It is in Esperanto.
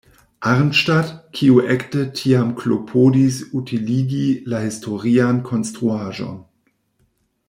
Arnstadt" kiu ekde tiam klopodis utiligi la historian konstruaĵon.